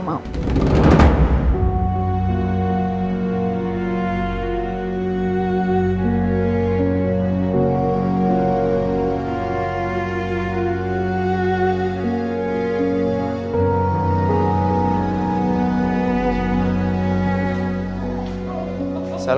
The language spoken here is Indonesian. terima kasih pak